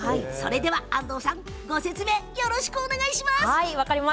安藤さん、ご説明お願いします。